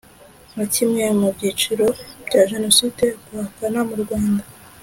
nka kimwe mu byiciro bya jenoside guhakana mu rwanda